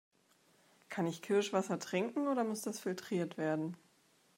Kann ich Kirschwasser trinken oder muss das filtriert werden?